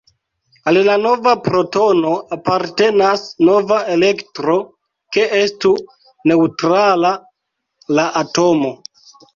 Al la nova protono apartenas nova elektro, ke estu neŭtrala la atomo.